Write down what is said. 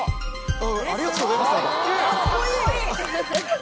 ありがとうございます！